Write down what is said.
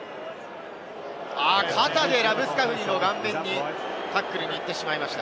肩でラブスカフニの顔面にタックルに行ってしまいました。